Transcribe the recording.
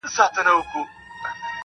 • څوک یې وړونه څه خپلوان څه قریبان دي..